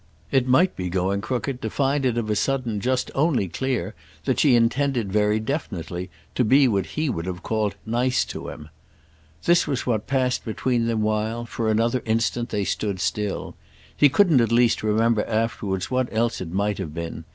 It might be going crooked to find it of a sudden just only clear that she intended very definitely to be what he would have called nice to him. This was what passed between them while, for another instant, they stood still; he couldn't at least remember afterwards what else it might have been.